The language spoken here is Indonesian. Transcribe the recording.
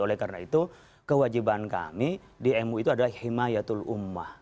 oleh karena itu kewajiban kami di mui itu adalah himayatul umah